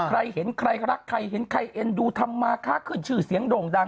ใครเห็นใครรักใครเห็นใครเอ็นดูธรรมาค่าขึ้นชื่อเสียงโด่งดัง